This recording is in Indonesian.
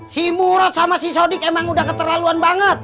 si murod sama si sodik emang udah keterlaluan banget